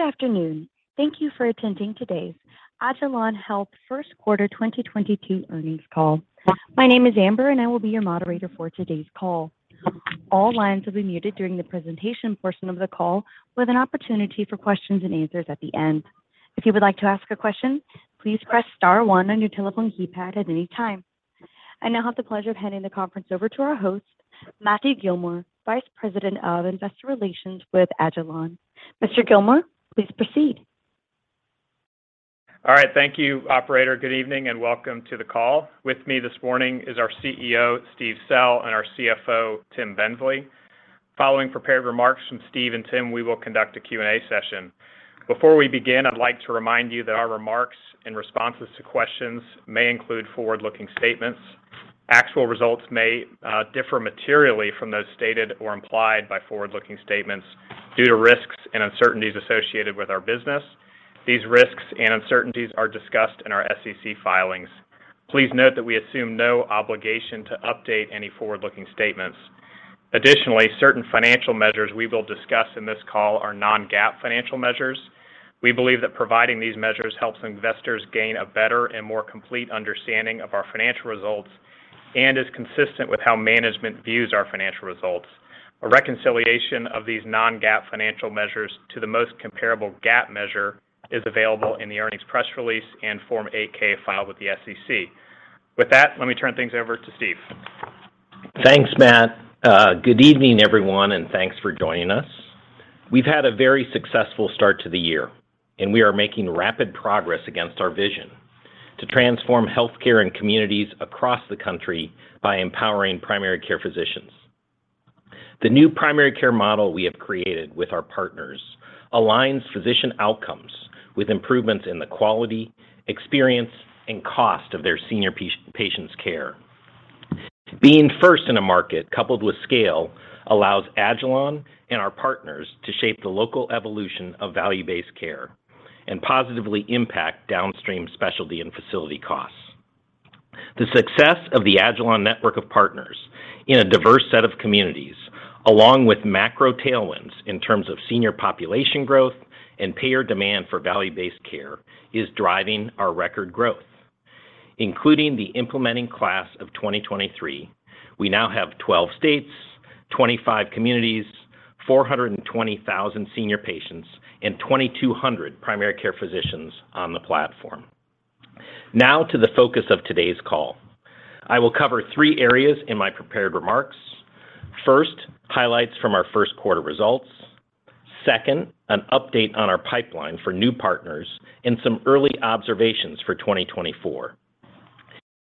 Good afternoon. Thank you for attending today's agilon health First Quarter 2022 Earnings Call. My name is Amber, and I will be your moderator for today's call. All lines will be muted during the presentation portion of the call with an opportunity for questions and answers at the end. If you would like to ask a question, please press star one on your telephone keypad at any time. I now have the pleasure of handing the conference over to our host, Matthew Gillmor, Vice President-Investor Relations with agilon. Mr. Gillmor, please proceed. All right. Thank you, operator. Good evening, and welcome to the call. With me this morning is our CEO, Steve Sell, and our CFO, Tim Bensley. Following prepared remarks from Steve and Tim, we will conduct a Q&A session. Before we begin, I'd like to remind you that our remarks and responses to questions may include forward-looking statements. Actual results may differ materially from those stated or implied by forward-looking statements due to risks and uncertainties associated with our business. These risks and uncertainties are discussed in our SEC filings. Please note that we assume no obligation to update any forward-looking statements. Additionally, certain financial measures we will discuss in this call are non-GAAP financial measures. We believe that providing these measures helps investors gain a better and more complete understanding of our financial results and is consistent with how management views our financial results. A reconciliation of these non-GAAP financial measures to the most comparable GAAP measure is available in the earnings press release and Form 8-K filed with the SEC. With that, let me turn things over to Steve. Thanks, Matt. Good evening, everyone, and thanks for joining us. We've had a very successful start to the year, and we are making rapid progress against our vision to transform healthcare and communities across the country by empowering primary care physicians. The new primary care model we have created with our partners aligns physician outcomes with improvements in the quality, experience, and cost of their senior patients' care. Being first in a market, coupled with scale, allows agilon and our partners to shape the local evolution of value-based care and positively impact downstream specialty and facility costs. The success of the agilon network of partners in a diverse set of communities, along with macro tailwinds in terms of senior population growth and payer demand for value-based care, is driving our record growth. Including the implementing class of 2023, we now have 12 states, 25 communities, 420,000 senior patients, and 2,200 primary care physicians on the platform. Now to the focus of today's call. I will cover three areas in my prepared remarks. First, highlights from our first quarter results. Second, an update on our pipeline for new partners and some early observations for 2024.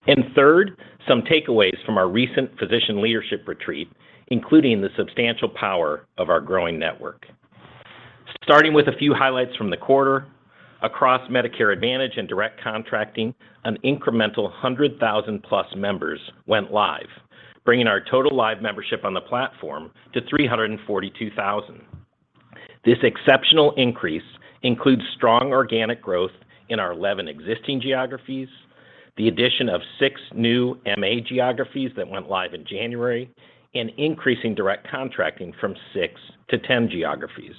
And third, some takeaways from our recent physician leadership retreat, including the substantial power of our growing network. Starting with a few highlights from the quarter, across Medicare Advantage and Direct Contracting, an incremental 100,000+ members went live, bringing our total live membership on the platform to 342,000. This exceptional increase includes strong organic growth in our 11 existing geographies, the addition of six new MA geographies that went live in January, and increasing direct contracting from six to 10 geographies.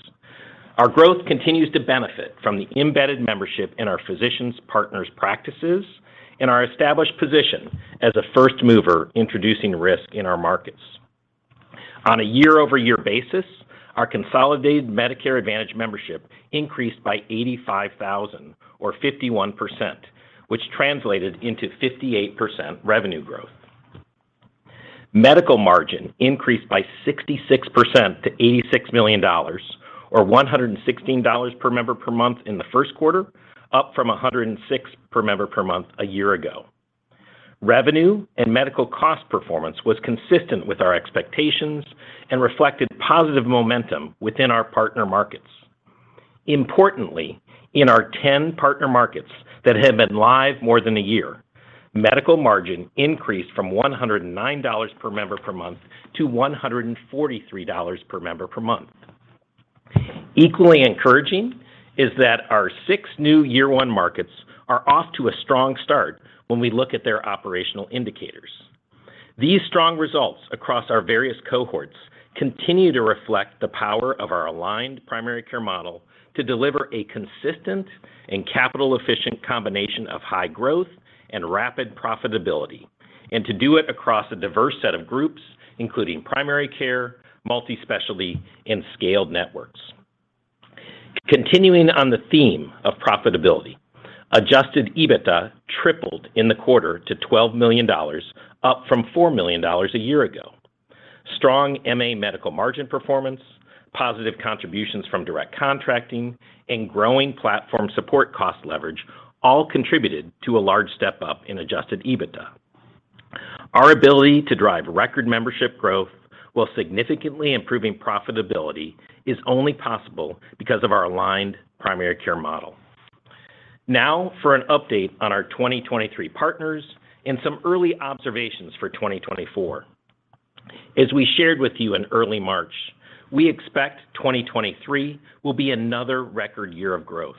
Our growth continues to benefit from the embedded membership in our physician partners' practices and our established position as a first mover introducing risk in our markets. On a year-over-year basis, our consolidated Medicare Advantage membership increased by 85,000 or 51%, which translated into 58% revenue growth. Medical margin increased by 66% to $86 million, or $116 per member per month in the first quarter, up from $106 per member per month a year ago. Revenue and medical cost performance was consistent with our expectations and reflected positive momentum within our partner markets. Importantly, in our 10 partner markets that have been live more than a year, medical margin increased from $109 per member per month to $143 per member per month. Equally encouraging is that our six new year one markets are off to a strong start when we look at their operational indicators. These strong results across our various cohorts continue to reflect the power of our aligned primary care model to deliver a consistent and capital-efficient combination of high growth and rapid profitability, and to do it across a diverse set of groups, including primary care, multi-specialty, and scaled networks. Continuing on the theme of profitability, Adjusted EBITDA tripled in the quarter to $12 million, up from $4 million a year ago. Strong MA medical margin performance, positive contributions from direct contracting, and growing platform support cost leverage all contributed to a large step up in Adjusted EBITDA. Our ability to drive record membership growth while significantly improving profitability is only possible because of our aligned primary care model. Now for an update on our 2023 partners and some early observations for 2024. As we shared with you in early March, we expect 2023 will be another record year of growth.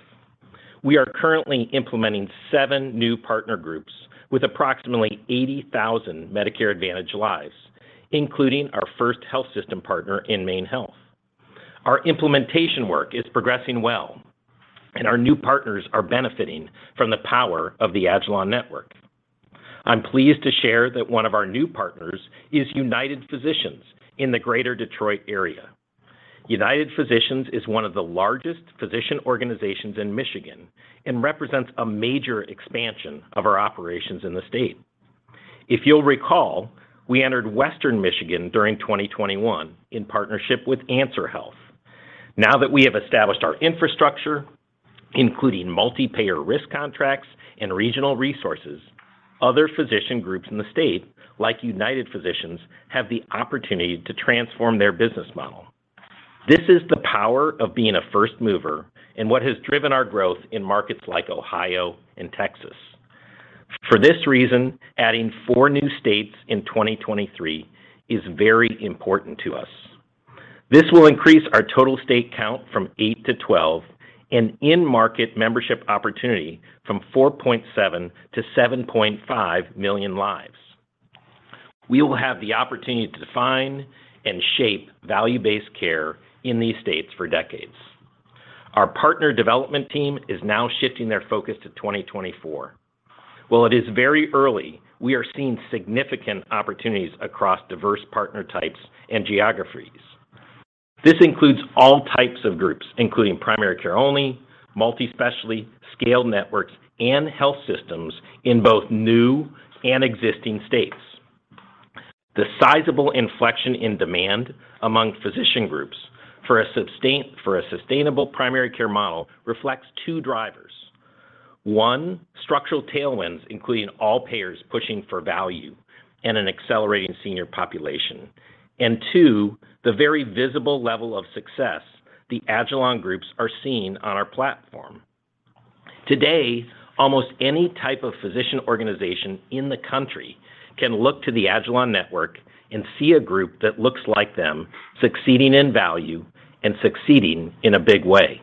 We are currently implementing seven new partner groups with approximately 80,000 Medicare Advantage lives, including our first health system partner in MaineHealth. Our implementation work is progressing well, and our new partners are benefiting from the power of the agilon network. I'm pleased to share that one of our new partners is United Physicians in the Greater Detroit area. United Physicians is one of the largest physician organizations in Michigan and represents a major expansion of our operations in the state. If you'll recall, we entered Western Michigan during 2021 in partnership with Answer Health. Now that we have established our infrastructure, including multi-payer risk contracts and regional resources, other physician groups in the state, like United Physicians, have the opportunity to transform their business model. This is the power of being a first mover in what has driven our growth in markets like Ohio and Texas. For this reason, adding four new states in 2023 is very important to us. This will increase our total state count from eight to 12 and in-market membership opportunity from 4.7 million-7.5 million lives. We will have the opportunity to define and shape value-based care in these states for decades. Our partner development team is now shifting their focus to 2024. While it is very early, we are seeing significant opportunities across diverse partner types and geographies. This includes all types of groups, including primary care only, multi-specialty, scaled networks, and health systems in both new and existing states. The sizable inflection in demand among physician groups for a sustainable primary care model reflects two drivers. One, structural tailwinds, including all payers pushing for value and an accelerating senior population. Two, the very visible level of success the agilon groups are seeing on our platform. Today, almost any type of physician organization in the country can look to the agilon network and see a group that looks like them succeeding in value and succeeding in a big way.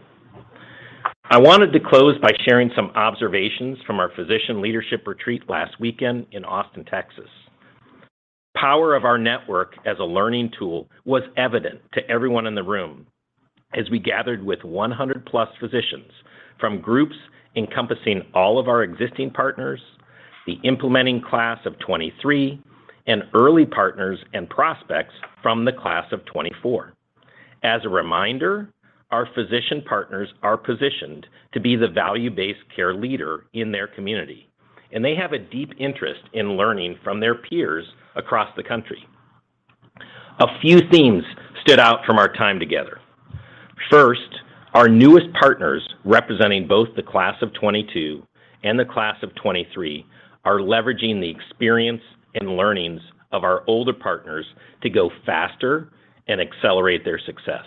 I wanted to close by sharing some observations from our physician leadership retreat last weekend in Austin, Texas. Power of our network as a learning tool was evident to everyone in the room as we gathered with 100+ physicians from groups encompassing all of our existing partners, the implementing class of 2023, and early partners and prospects from the class of 2024. As a reminder, our physician partners are positioned to be the value-based care leader in their community, and they have a deep interest in learning from their peers across the country. A few themes stood out from our time together. First, our newest partners, representing both the class of 2022 and the class of 2023, are leveraging the experience and learnings of our older partners to go faster and accelerate their success.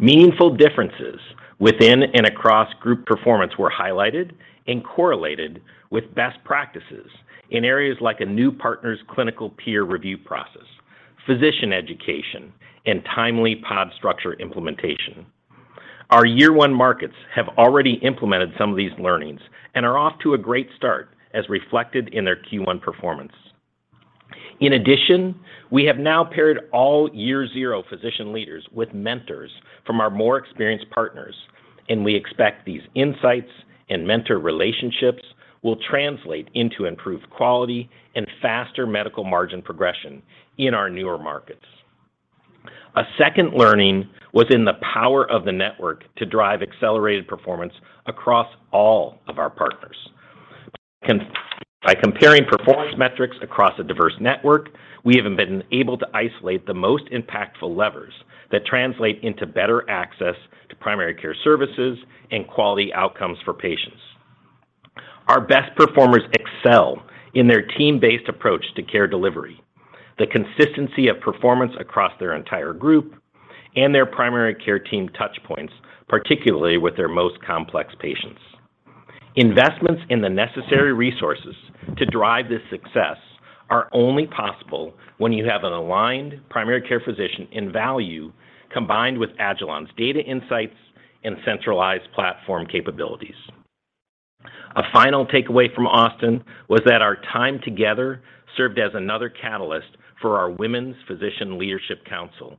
Meaningful differences within and across group performance were highlighted and correlated with best practices in areas like a new partner's clinical peer review process, physician education, and timely pod structure implementation. Our year one markets have already implemented some of these learnings and are off to a great start as reflected in their Q1 performance. In addition, we have now paired all year zero physician leaders with mentors from our more experienced partners, and we expect these insights and mentor relationships will translate into improved quality and faster medical margin progression in our newer markets. A second learning, was in the power of the network to drive accelerated performance across all of our partners. By comparing performance metrics across a diverse network, we have been able to isolate the most impactful levers that translate into better access to primary care services and quality outcomes for patients. Our best performers excel in their team-based approach to care delivery, the consistency of performance across their entire group, and their primary care team touchpoints, particularly with their most complex patients. Investments in the necessary resources to drive this success are only possible when you have an aligned primary care physician in value combined with agilon's data insights and centralized platform capabilities. A final takeaway from Austin was that our time together served as another catalyst for our Women's Physician Leadership Council.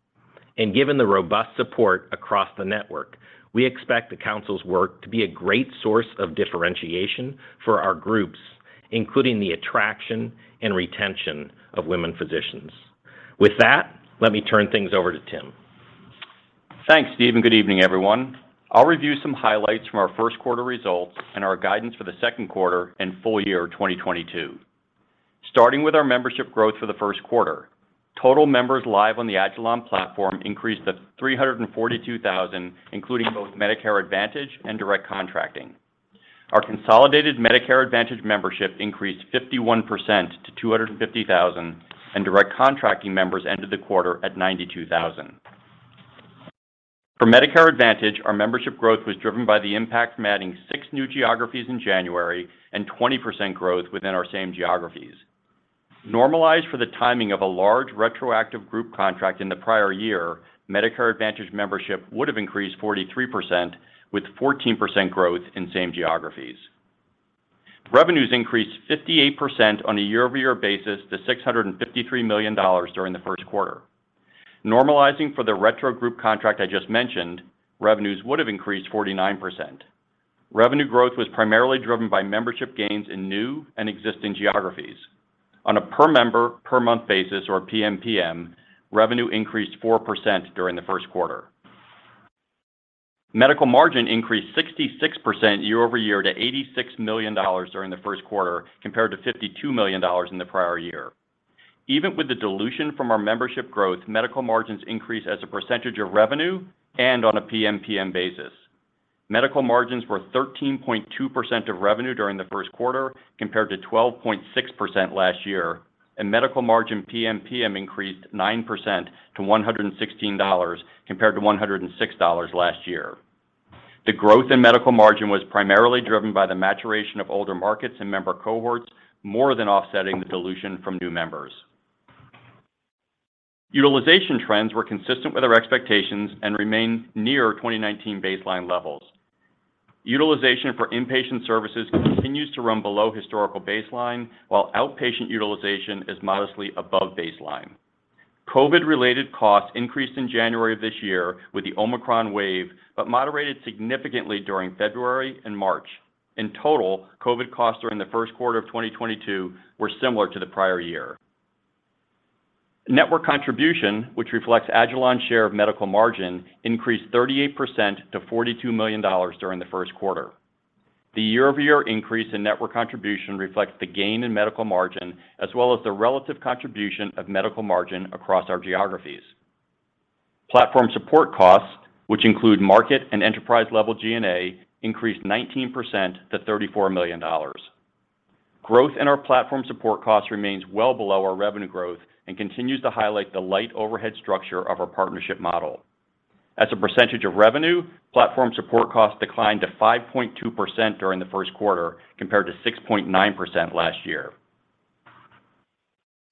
Given the robust support across the network, we expect the council's work to be a great source of differentiation for our groups, including the attraction and retention of women physicians. With that, let me turn things over to Tim. Thanks, Steve, and good evening, everyone. I'll review some highlights from our first quarter results and our guidance for the second quarter and full year 2022. Starting with our membership growth for the first quarter, total members live on the agilon platform increased to 342,000, including both Medicare Advantage and Direct Contracting. Our consolidated Medicare Advantage membership increased 51% to 250,000, and Direct Contracting members ended the quarter at 92,000. For Medicare Advantage, our membership growth was driven by the impact from adding six new geographies in January and 20% growth within our same geographies. Normalized for the timing of a large retroactive group contract in the prior year, Medicare Advantage membership would have increased 43% with 14% growth in same geographies. Revenues increased 58% on a year-over-year basis to $653 million during the first quarter. Normalizing for the retro group contract I just mentioned, revenues would have increased 49%. Revenue growth was primarily driven by membership gains in new and existing geographies. On a per member per month basis or PMPM, revenue increased 4% during the first quarter. Medical Margin increased 66% year-over-year to $86 million during the first quarter, compared to $52 million in the prior year. Even with the dilution from our membership growth, medical margins increased as a percentage of revenue and on a PMPM basis. Medical margins were 13.2% of revenue during the first quarter, compared to 12.6% last year, and medical margin PMPM increased 9% to $116, compared to $106 last year. The growth in medical margin was primarily driven by the maturation of older markets and member cohorts, more than offsetting the dilution from new members. Utilization trends were consistent with our expectations and remain near 2019 baseline levels. Utilization for inpatient services continues to run below historical baseline, while outpatient utilization is modestly above baseline. COVID-related costs increased in January of this year with the Omicron wave, but moderated significantly during February and March. In total, COVID costs during the first quarter of 2022 were similar to the prior year. Network Contribution, which reflects agilon health's share of Medical Margin, increased 38% to $42 million during the first quarter. The year-over-year increase in Network Contribution reflects the gain in Medical Margin, as well as the relative contribution of Medical Margin across our geographies. Platform Support Costs, which include market and enterprise-level G&A, increased 19% to $34 million. Growth in our Platform Support Costs remains well below our revenue growth and continues to highlight the light overhead structure of our partnership model. As a percentage of revenue, Platform Support Costs declined to 5.2% during the first quarter, compared to 6.9% last year.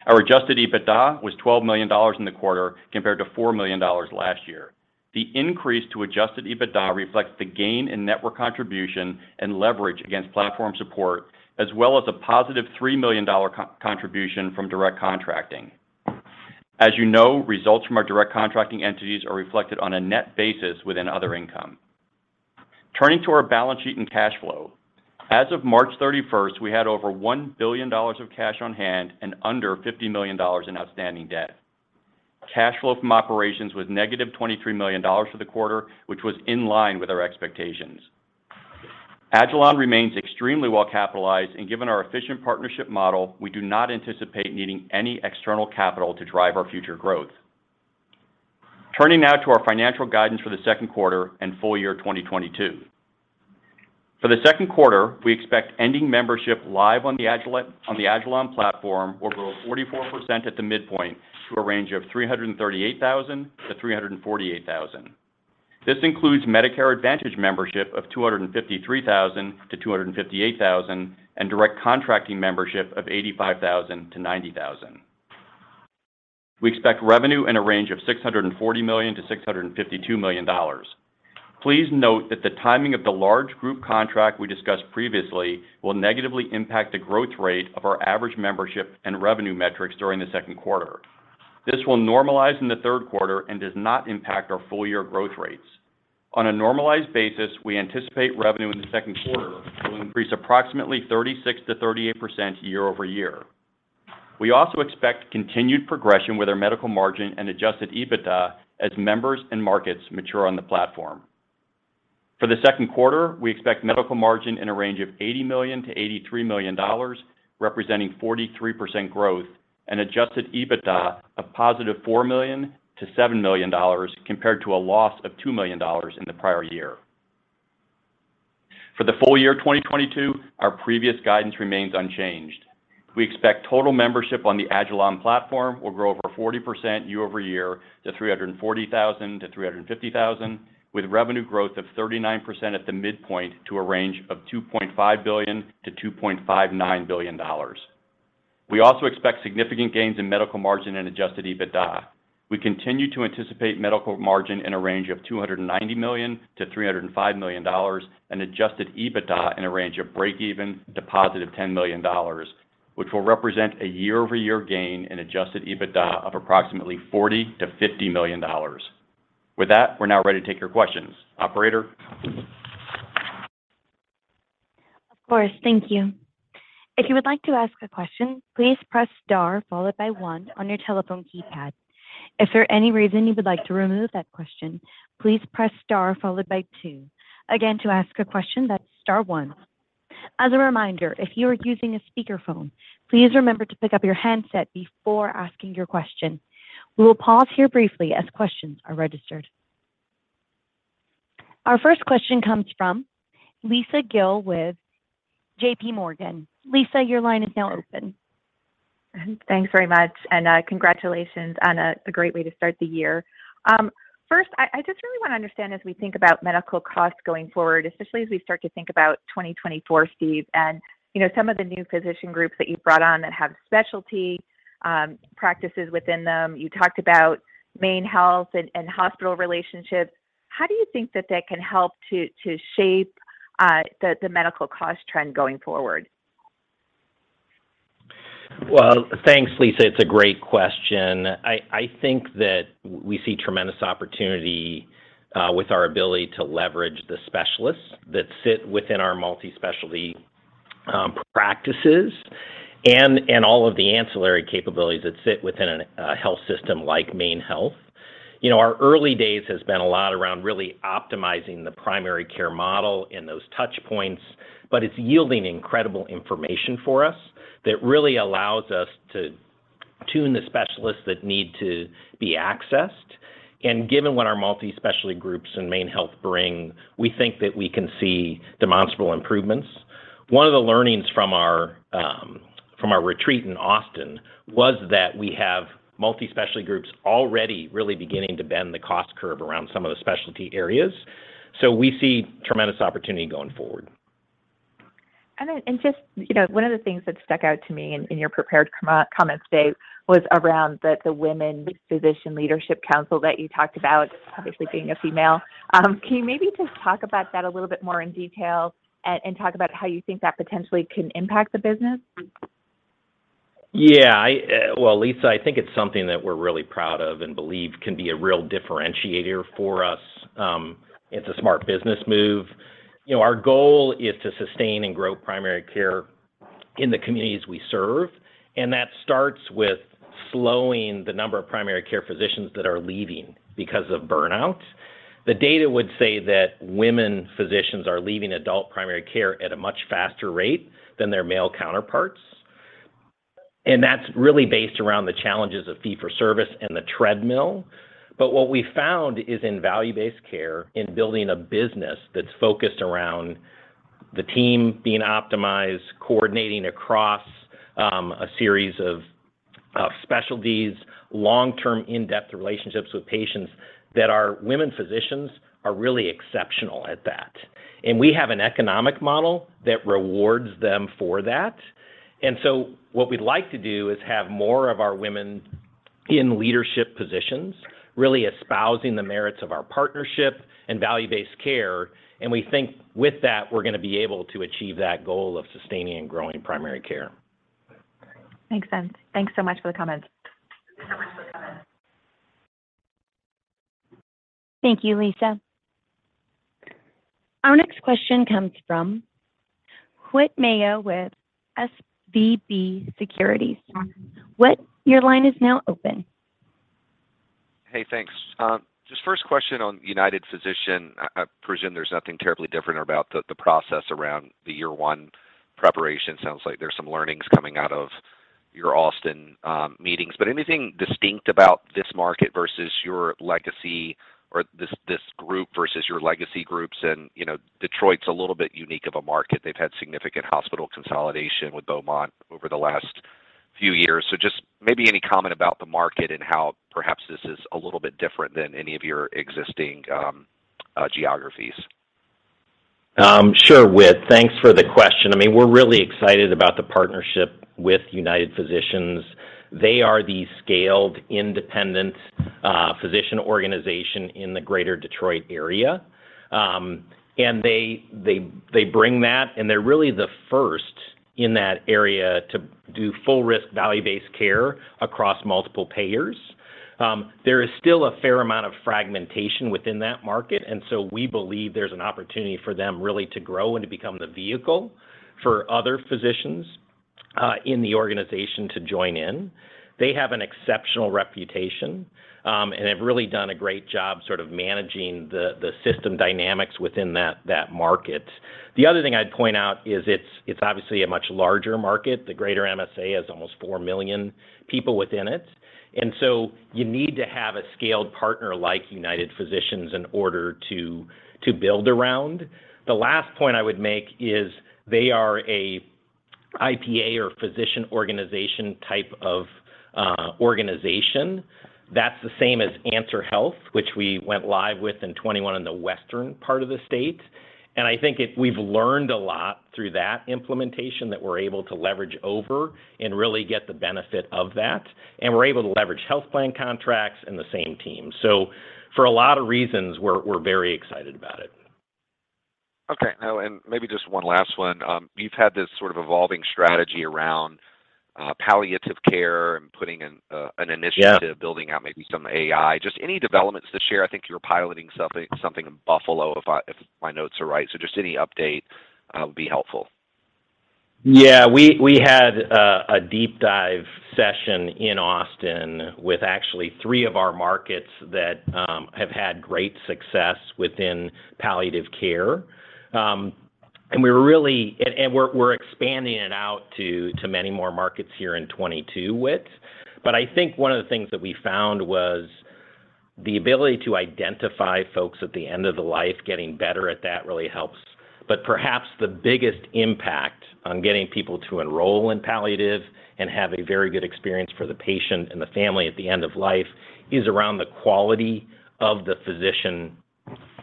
Our Adjusted EBITDA was $12 million in the quarter, compared to $4 million last year. The increase to Adjusted EBITDA reflects the gain in network contribution and leverage against platform support, as well as a positive $3 million contribution from Direct Contracting. As you know, results from our Direct Contracting entities are reflected on a net basis within other income. Turning to our balance sheet and cash flow. As of March 31, we had over $1 billion of cash on hand and under $50 million in outstanding debt. Cash flow from operations was $-23 million for the quarter, which was in line with our expectations. agilon remains extremely well capitalized, and given our efficient partnership model, we do not anticipate needing any external capital to drive our future growth. Turning now to our financial guidance for the second quarter and full year 2022. For the second quarter, we expect ending membership live on the agilon, on the agilon platform will grow 44% at the midpoint to a range of 338,000-348,000. This includes Medicare Advantage membership of 253,000-258,000, and Direct Contracting membership of 85,000-90,000. We expect revenue in a range of $640 million-$652 million. Please note that the timing of the large group contract we discussed previously will negatively impact the growth rate of our average membership and revenue metrics during the second quarter. This will normalize in the third quarter and does not impact our full year growth rates. On a normalized basis, we anticipate revenue in the second quarter will increase approximately 36%-38% year-over-year. We also expect continued progression with our medical margin and Adjusted EBITDA as members and markets mature on the platform. For the second quarter, we expect medical margin in a range of $80 million-$83 million, representing 43% growth, and Adjusted EBITDA of $4 million-$7 million, compared to a loss of $2 million in the prior year. For the full year 2022, our previous guidance remains unchanged. We expect total membership on the agilon platform will grow over 40% year-over-year to 340,000-350,000, with revenue growth of 39% at the midpoint to a range of $2.5 billion-$2.59 billion. We also expect significant gains in Medical Margin and Adjusted EBITDA. We continue to anticipate Medical Margin in a range of $290 million-$305 million, and Adjusted EBITDA in a range of breakeven to +$10 million, which will represent a year-over-year gain in Adjusted EBITDA of approximately $40 million-$50 million. With that, we're now ready to take your questions. Operator? Of course. Thank you. If you would like to ask a question, please press star followed by one on your telephone keypad. If for any reason you would like to remove that question, please press star followed by two. Again, to ask a question, that's star one. As a reminder, if you are using a speakerphone, please remember to pick up your handset before asking your question. We will pause here briefly as questions are registered. Our first question comes from Lisa Gill with J.P. Morgan. Lisa, your line is now open. Thanks very much, and congratulations on a great way to start the year. First, I just really want to understand as we think about medical costs going forward, especially as we start to think about 2024, Steve, and you know, some of the new physician groups that you've brought on that have specialty. Practices within them. You talked about MaineHealth and hospital relationships. How do you think that can help to shape the medical cost trend going forward? Well, thanks, Lisa. It's a great question. I think that we see tremendous opportunity with our ability to leverage the specialists that sit within our multi-specialty practices and all of the ancillary capabilities that sit within a health system like MaineHealth. You know, our early days has been a lot around really optimizing the primary care model and those touch points, but it's yielding incredible information for us that really allows us to tune the specialists that need to be accessed. And given what our multi-specialty groups and MaineHealth bring, we think that we can see demonstrable improvements. One of the learnings from our retreat in Austin was that we have multi-specialty groups already really beginning to bend the cost curve around some of the specialty areas. We see tremendous opportunity going forward. Just, you know, one of the things that stuck out to me in your prepared comments today was around the Women's Physician Leadership Council that you talked about, obviously being a female. Can you maybe just talk about that a little bit more in detail and talk about how you think that potentially can impact the business? Yeah. Well, Lisa, I think it's something that we're really proud of and believe can be a real differentiator for us. It's a smart business move. You know, our goal is to sustain and grow primary care in the communities we serve, and that starts with slowing the number of primary care physicians that are leaving because of burnout. The data would say that women physicians are leaving adult primary care at a much faster rate than their male counterparts, and that's really based around the challenges of fee for service and the treadmill. What we found is in value-based care, in building a business that's focused around the team being optimized, coordinating across a series of specialties, long-term in-depth relationships with patients, that our women physicians are really exceptional at that, and we have an economic model that rewards them for that. What we'd like to do is have more of our women in leadership positions really espousing the merits of our partnership and value-based care, and we think with that, we're gonna be able to achieve that goal of sustaining and growing primary care. Makes sense. Thanks so much for the comments. Thank you, Lisa. Our next question comes from Whit Mayo with SVB Securities. Whit, your line is now open. Hey, thanks. Just first question on United Physicians. I presume there's nothing terribly different about the process around the year one preparation. Sounds like there's some learnings coming out of your Austin meetings. Anything distinct about this market versus your legacy or this group versus your legacy groups? You know, Detroit's a little bit unique of a market. They've had significant hospital consolidation with Beaumont over the last few years. Just maybe any comment about the market and how perhaps this is a little bit different than any of your existing geographies. Sure, Whit. Thanks for the question. I mean, we're really excited about the partnership with United Physicians. They are the scaled independent physician organization in the Greater Detroit area. They bring that, and they're really the first in that area to do full risk value-based care across multiple payers. There is still a fair amount of fragmentation within that market, and so we believe there's an opportunity for them really to grow and to become the vehicle for other physicians in the organization to join in. They have an exceptional reputation, and have really done a great job sort of managing the system dynamics within that market. The other thing I'd point out is it's obviously a much larger market. The Greater MSA has almost 4 million people within it. You need to have a scaled partner like United Physicians in order to build around. The last point I would make is they are an IPA or physician organization type of organization. That's the same as Answer Health, which we went live with in 2021 in the western part of the state. I think we've learned a lot through that implementation that we're able to leverage over and really get the benefit of that, and we're able to leverage health plan contracts and the same team. For a lot of reasons, we're very excited about it. Okay. Now, maybe just one last one. You've had this sort of evolving strategy around palliative care and putting in an initiative. Yeah Building out maybe some AI. Just any developments to share? I think you're piloting something in Buffalo if my notes are right. Just any update would be helpful. Yeah. We had a deep dive session in Austin with actually three of our markets that have had great success within palliative care. We were really. We're expanding it out to many more markets here in 2022 with. I think one of the things that we found was the ability to identify folks at the end of the life, getting better at that really helps. Perhaps the biggest impact on getting people to enroll in palliative and have a very good experience for the patient and the family at the end of life is around the quality of the physician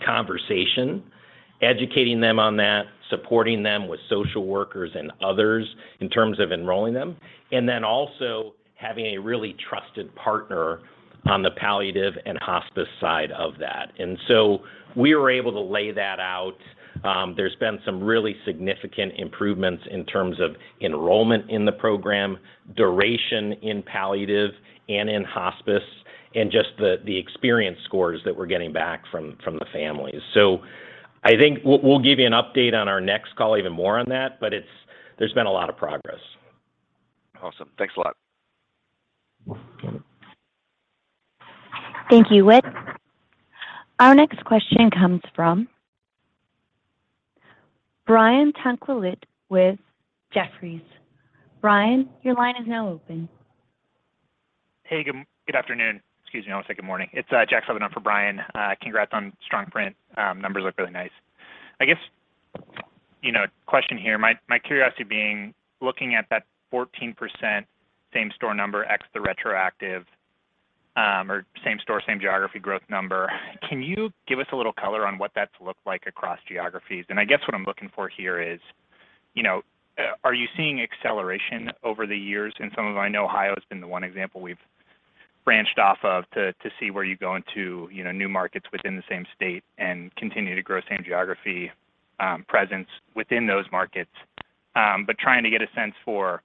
conversation, educating them on that, supporting them with social workers and others in terms of enrolling them, and then also having a really trusted partner on the palliative and hospice side of that. We were able to lay that out. There's been some really significant improvements in terms of enrollment in the program, duration in palliative and in hospice, and just the experience scores that we're getting back from the families. I think we'll give you an update on our next call even more on that, but it's. There's been a lot of progress. Awesome. Thanks a lot. Thank you, Whit. Our next question comes from Brian Tanquilut with Jefferies. Brian, your line is now open. Hey, good afternoon. Excuse me, I almost said good morning. It's Ryan Sullivan on for Brian. Congrats on strong print. Numbers look really nice. I guess, you know, question here, my curiosity being looking at that 14% same store number ex the retroactive, or same store, same geography growth number, can you give us a little color on what that's looked like across geographies? I guess what I'm looking for here is, you know, are you seeing acceleration over the years in some of them? I know Ohio has been the one example we've branched off of to see where you go into, you know, new markets within the same state and continue to grow same geography presence within those markets. trying to get a sense for,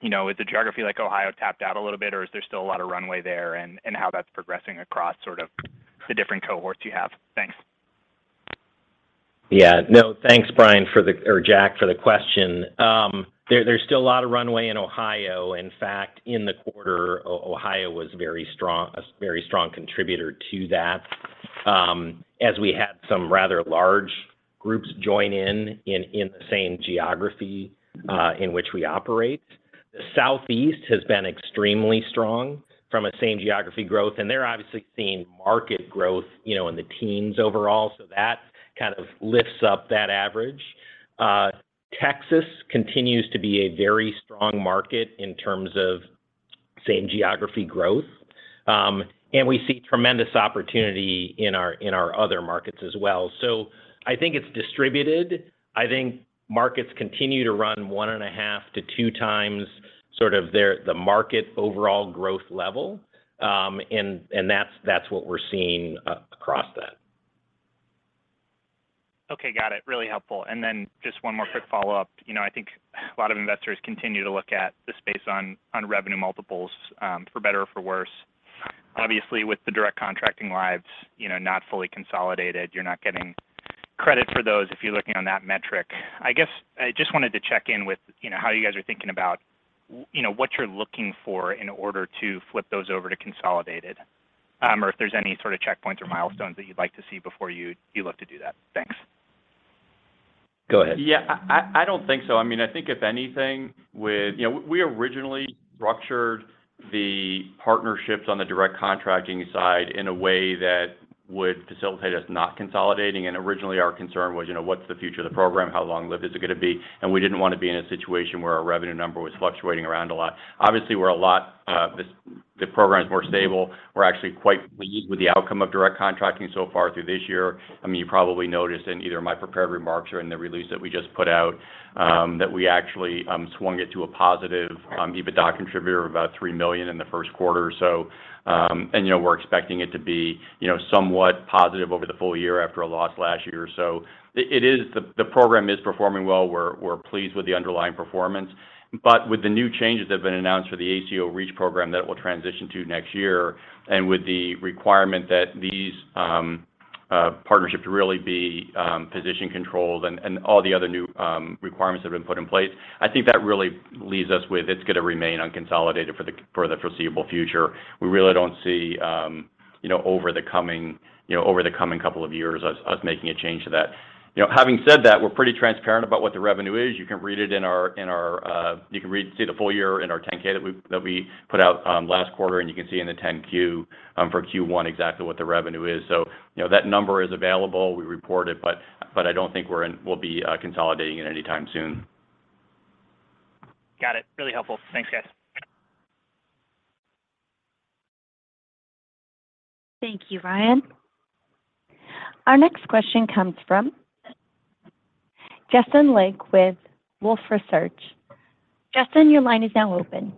you know, is a geography like Ohio tapped out a little bit, or is there still a lot of runway there and how that's progressing across sort of the different cohorts you have? Thanks. Yeah. No, thanks, Brian or Jack, for the question. There's still a lot of runway in Ohio. In fact, in the quarter, Ohio was very strong, a very strong contributor to that, as we had some rather large groups join in the same geography in which we operate. The Southeast has been extremely strong from a same geography growth, and they're obviously seeing market growth, you know, in the teens overall. That kind of lifts up that average. Texas continues to be a very strong market in terms of same geography growth. We see tremendous opportunity in our other markets as well. I think it's distributed. I think markets continue to run 1.5-2x sort of the market overall growth level. That's what we're seeing across that. Okay. Got it. Really helpful. Just one more quick follow-up. You know, I think a lot of investors continue to look at the space on revenue multiples, for better or for worse. Obviously, with the Direct Contracting lives, you know, not fully consolidated, you're not getting credit for those if you're looking on that metric. I guess I just wanted to check in with, you know, how you guys are thinking about, you know, what you're looking for in order to flip those over to consolidated, or if there's any sort of checkpoints or milestones that you'd like to see before you look to do that. Thanks. Go ahead. Yeah. I don't think so. I mean, I think if anything, with you know, we originally structured the partnerships on the Direct Contracting side in a way that would facilitate us not consolidating. Originally, our concern was, you know, what's the future of the program? How long-lived is it gonna be? We didn't wanna be in a situation where our revenue number was fluctuating around a lot. Obviously, we're a lot, the program is more stable. We're actually quite pleased with the outcome of Direct Contracting so far through this year. I mean, you probably noticed in either my prepared remarks or in the release that we just put out that we actually swung it to a positive EBITDA contributor of about $3 million in the first quarter. you know, we're expecting it to be, you know, somewhat positive over the full year after a loss last year. The program is performing well. We're pleased with the underlying performance. But with the new changes that have been announced for the ACO REACH program that it will transition to next year, and with the requirement that these partnerships really be position controlled and all the other new requirements that have been put in place, I think that really leaves us with it's gonna remain unconsolidated for the foreseeable future. We really don't see, you know, over the coming couple of years us making a change to that. You know, having said that, we're pretty transparent about what the revenue is. You can see the full year in our 10-K that we put out last quarter, and you can see in the 10-Q for Q1 exactly what the revenue is. You know, that number is available. We report it, but I don't think we'll be consolidating it anytime soon. Got it. Really helpful. Thanks, guys. Thank you, Ryan. Our next question comes from Justin Lake with Wolfe Research. Justin, your line is now open.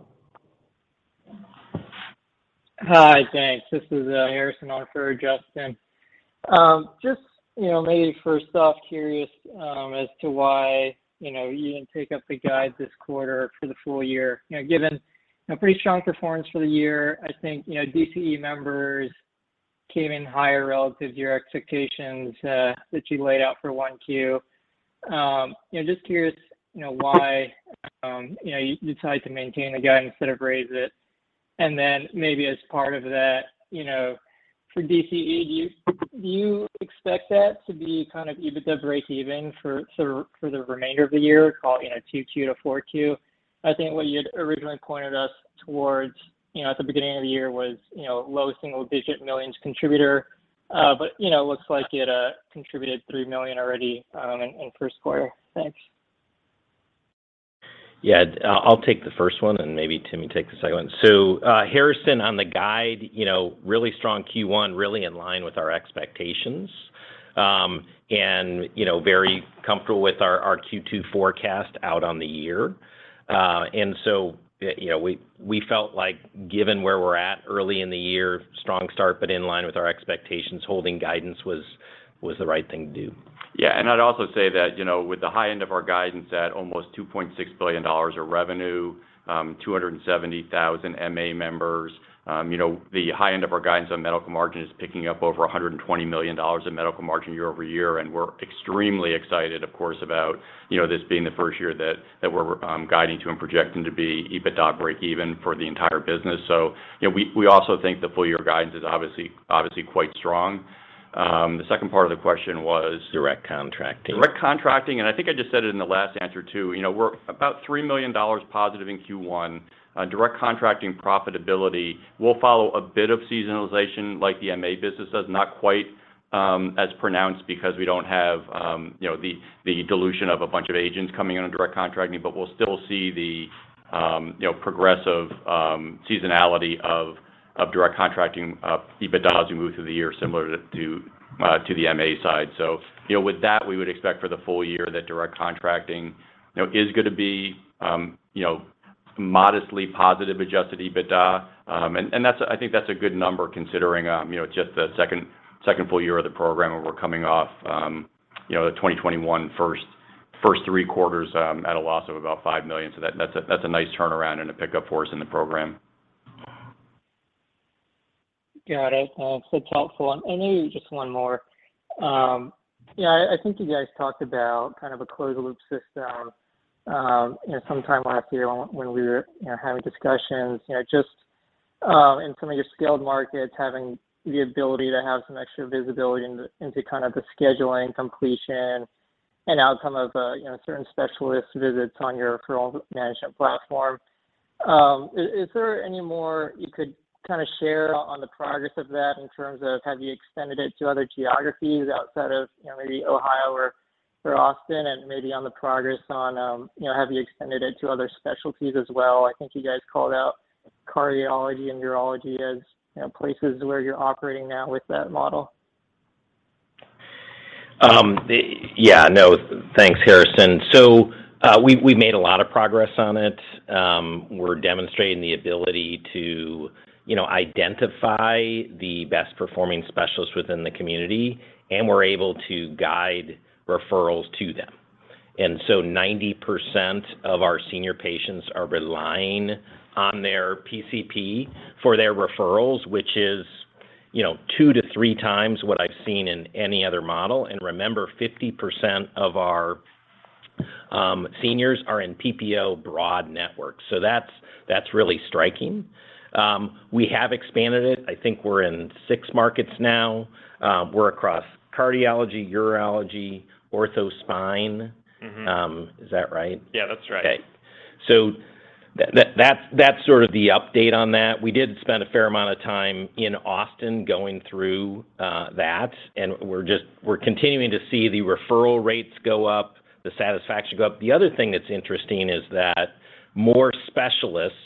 Hi. Thanks. This is Harrison on for Justin. Just, you know, maybe first off, curious as to why, you know, you didn't take up the guidance this quarter for the full year. You know, given a pretty strong performance for the year, I think, you know, DCE members came in higher relative to your expectations that you laid out for 1Q. Just curious, you know, why, you know, you decided to maintain the guidance instead of raise it. Then maybe as part of that, you know, for DCE, do you expect that to be kind of EBITDA breakeven for the remainder of the year, called 2Q to 4Q? I think what you had originally pointed us towards, you know, at the beginning of the year was, you know, low single-digit millions contributor. You know, it looks like it contributed $3 million already in first quarter. Thanks. Yeah, I'll take the first one, and maybe Tim take the second one. Harrison, on the guide, you know, really strong Q1, really in line with our expectations, and you know, very comfortable with our Q2 forecast outlook on the year. You know, we felt like given where we're at early in the year, strong start, but in line with our expectations, holding guidance was the right thing to do. Yeah. I'd also say that, you know, with the high end of our guidance at almost $2.6 billion of revenue, 270,000 MA members, you know, the high end of our guidance on medical margin is picking up over $120 million in medical margin year-over-year, and we're extremely excited, of course, about, you know, this being the first year that we're guiding to and projecting to be EBITDA breakeven for the entire business. You know, we also think the full year guidance is obviously quite strong. The second part of the question was? Direct Contracting. Direct contracting, I think I just said it in the last answer, too. You know, we're about $3 million positive in Q1. Direct contracting profitability will follow a bit of seasonality like the MA business does. Not quite as pronounced because we don't have you know, the dilution of a bunch of agents coming in on direct contracting, but we'll still see the you know, progressive seasonality of direct contracting EBITDA as we move through the year similar to the MA side. You know, with that, we would expect for the full year that direct contracting you know, is gonna be you know, modestly positive Adjusted EBITDA. I think that's a good number considering, you know, it's just the second full year of the program, and we're coming off, you know, the 2021 first three quarters, at a loss of about $5 million. That's a nice turnaround and a pickup for us in the program. Got it. So helpful. Maybe just one more. Yeah, I think you guys talked about kind of a closed-loop system, you know, sometime last year when we were, you know, having discussions, you know, just in some of your scaled markets, having the ability to have some extra visibility into kind of the scheduling, completion, and outcome of, you know, certain specialist visits on your referral management platform. Is there any more you could kinda share on the progress of that in terms of have you extended it to other geographies outside of, you know, maybe Ohio or Austin, and maybe on the progress on, you know, have you extended it to other specialties as well? I think you guys called out cardiology and urology as, you know, places where you're operating now with that model. Thanks, Harrison. We've made a lot of progress on it. We're demonstrating the ability to, you know, identify the best performing specialists within the community, and we're able to guide referrals to them. 90% of our senior patients are relying on their PCP for their referrals, which is, you know, 2-3 times what I've seen in any other model. Remember, 50% of our seniors are in PPO broad networks, so that's really striking. We have expanded it. I think we're in six markets now. We're across cardiology, urology, ortho spine. Mm-hmm. Is that right? Yeah, that's right. Okay. That's sort of the update on that. We did spend a fair amount of time in Austin going through that, and we're continuing to see the referral rates go up, the satisfaction go up. The other thing that's interesting is that more specialists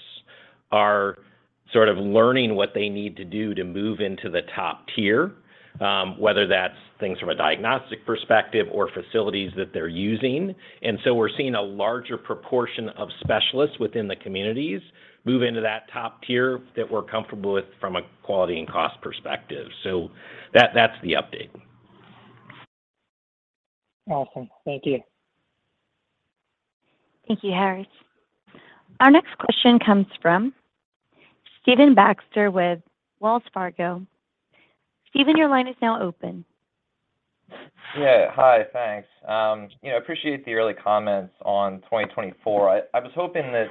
are sort of learning what they need to do to move into the top tier, whether that's things from a diagnostic perspective or facilities that they're using. We're seeing a larger proportion of specialists within the communities move into that top tier that we're comfortable with from a quality and cost perspective. That's the update. Awesome. Thank you. Thank you, Harrison. Our next question comes from Stephen Baxter with Wells Fargo. Stephen, your line is now open. Yeah. Hi, thanks. You know, appreciate the early comments on 2024. I was hoping that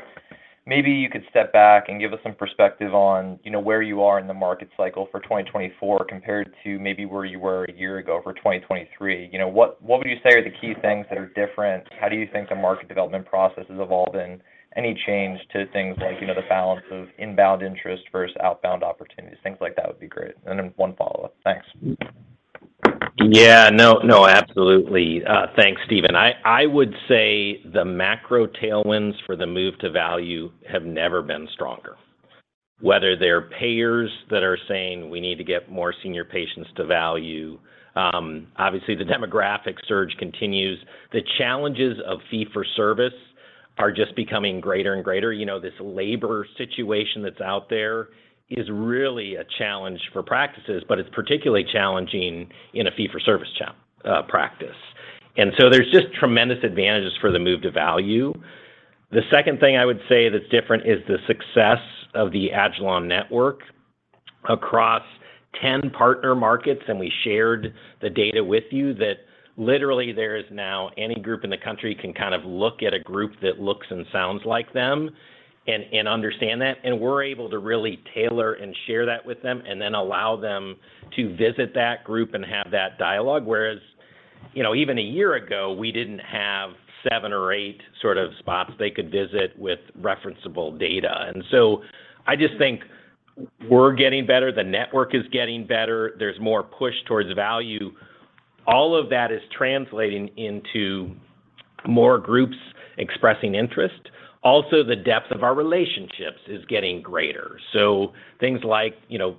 maybe you could step back and give us some perspective on, you know, where you are in the market cycle for 2024 compared to maybe where you were a year ago for 2023. You know, what would you say are the key things that are different? How do you think the market development process has evolved, and any change to things like, you know, the balance of inbound interest versus outbound opportunities? Things like that would be great. One follow-up. Thanks. Yeah. No, no, absolutely. Thanks, Steven. I would say the macro tailwinds for the move to value have never been stronger. Whether they're payers that are saying we need to get more senior patients to value, obviously the demographic surge continues. The challenges of fee-for-service are just becoming greater and greater. You know, this labor situation that's out there is really a challenge for practices, but it's particularly challenging in a fee-for-service practice. There's just tremendous advantages for the move to value. The second thing I would say that's different is the success of the agilon network across 10 partner markets, and we shared the data with you that literally there is now any group in the country can kind of look at a group that looks and sounds like them and understand that. We're able to really tailor and share that with them and then allow them to visit that group and have that dialogue. Whereas, you know, even a year ago, we didn't have seven or eight sort of spots they could visit with referenceable data. I just think we're getting better, the network is getting better. There's more push towards value. All of that is translating into more groups expressing interest. Also, the depth of our relationships is getting greater. Things like, you know,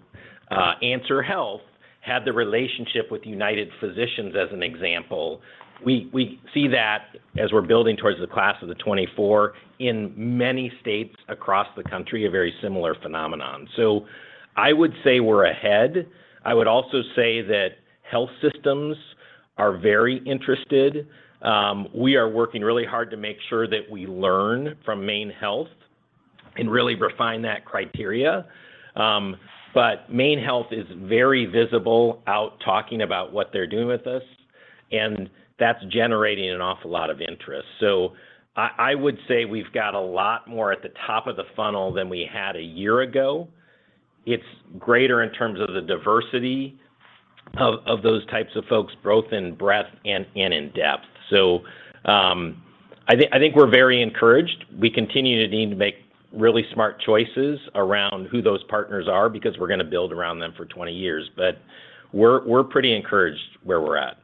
Answer Health had the relationship with United Physicians as an example. We see that as we're building towards the class of 2024 in many states across the country, a very similar phenomenon. I would say we're ahead. I would also say that health systems are very interested. We are working really hard to make sure that we learn from MaineHealth and really refine that criteria. But MaineHealth is very visible out talking about what they're doing with us, and that's generating an awful lot of interest. I would say we've got a lot more at the top of the funnel than we had a year ago. It's greater in terms of the diversity of those types of folks, both in breadth and in depth. I think we're very encouraged. We continue to need to make really smart choices around who those partners are because we're gonna build around them for 20 years. We're pretty encouraged where we're at.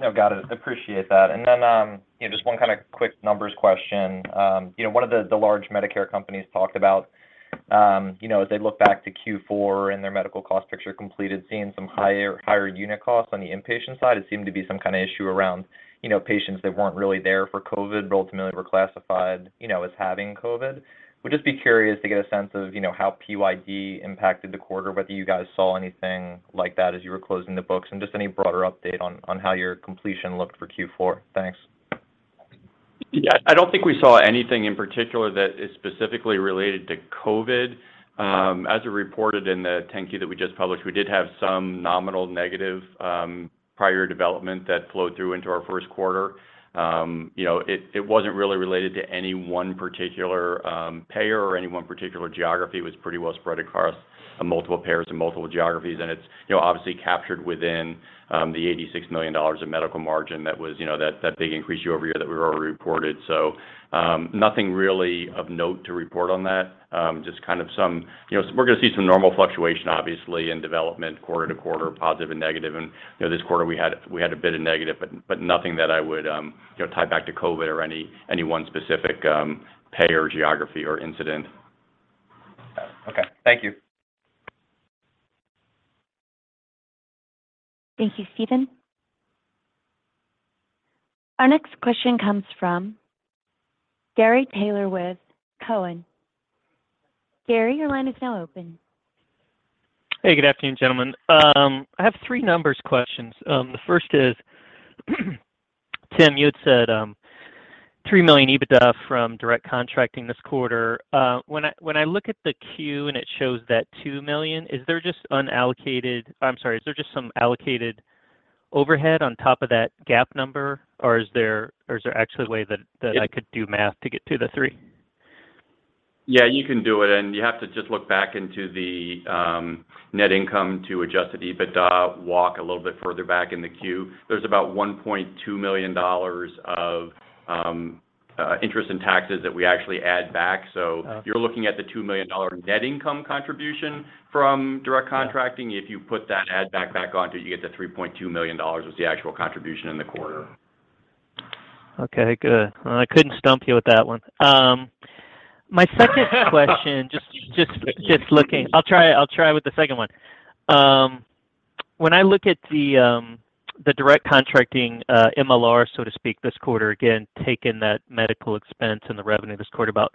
No, got it. Appreciate that. You know, just one kind of quick numbers question. You know, one of the large Medicare companies talked about, you know, as they look back to Q4 and their medical cost picture completed, seeing some higher unit costs on the inpatient side. It seemed to be some kind of issue around, you know, patients that weren't really there for COVID, but ultimately were classified, you know, as having COVID. Would just be curious to get a sense of, you know, how PYD impacted the quarter, whether you guys saw anything like that as you were closing the books, and just any broader update on how your completion looked for Q4. Thanks. Yeah. I don't think we saw anything in particular that is specifically related to COVID. As we reported in the 10-Q that we just published, we did have some nominal negative prior development that flowed through into our first quarter. You know, it wasn't really related to any one particular payer or any one particular geography. It was pretty well spread across multiple payers and multiple geographies. It's, you know, obviously captured within the $86 million of medical margin that was, you know, that big increase year-over-year that we already reported. Nothing really of note to report on that. Just kind of some. You know, we're gonna see some normal fluctuation, obviously, in development quarter-to-quarter, positive and negative. You know, this quarter we had a bit of negative, but nothing that I would, you know, tie back to COVID or any one specific payer, geography, or incident. Got it. Okay. Thank you. Thank you, Stephen. Our next question comes from Gary Taylor with Cowen. Gary, your line is now open. Hey, good afternoon, gentlemen. I have three numbers questions. The first is, Tim, you had said $3 million EBITDA from Direct Contracting this quarter. When I look at the Q and it shows that $2 million, is there just some allocated overhead on top of that GAAP number, or is there actually a way that I could do math to get to the three? Yeah, you can do it, and you have to just look back into the net income to Adjusted EBITDA, walk a little bit further back in the 10-Q. There's about $1.2 million of interest and taxes that we actually add back. Oh. You're looking at the $2 million net income contribution from Direct Contracting. If you put that add back on to it, you get the $3.2 million was the actual contribution in the quarter. Okay, good. I couldn't stump you with that one. My second question, just looking. I'll try with the second one. When I look at the Direct Contracting MLR, so to speak, this quarter, again, taking that medical expense and the revenue this quarter, about